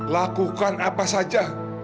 lakukan apa saja